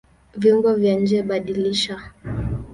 Viungo vya njeBadilisha